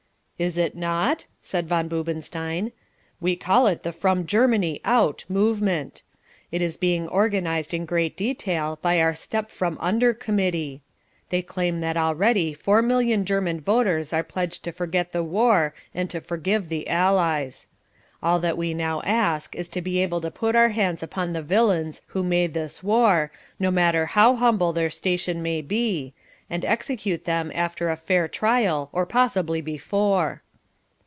"Is it not?" said Von Boobenstein. "We call it the From Germany Out movement. It is being organised in great detail by our Step from Under Committee. They claim that already four million German voters are pledged to forget the war and to forgive the Allies. All that we now ask is to be able to put our hands upon the villains who made this war, no matter how humble their station may be, and execute them after a fair trial or possibly before."